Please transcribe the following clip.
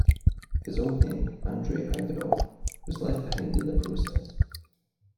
His old name, Andrei Ivanov, was left behind in the process.